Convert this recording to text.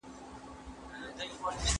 مثبت فکر بریالیتوب نه ځنډوي.